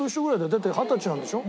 だって二十歳なんでしょ？